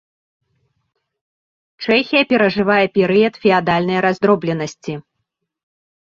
Чэхія перажывае перыяд феадальнай раздробленасці.